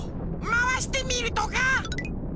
まわしてみるとか？